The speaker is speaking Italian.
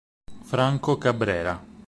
Franco Cabrera